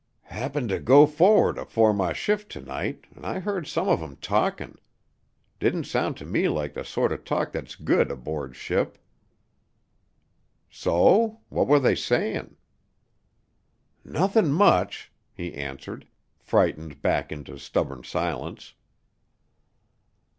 "Happened to go for'ard afore my shift to night an' I heard some of 'em talkin'. Didn't sound to me like th' sorter talk that's good aboard ship." "So? What were they saying?" "Nothin' much," he answered, frightened back into stubborn silence.